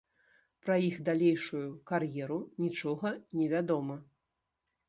Пра іх далейшую кар'еру нічога не вядома.